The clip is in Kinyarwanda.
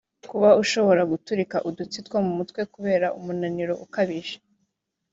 kuba ushobora guturika udutsi two mu mutwe kubera umunaniro ukabije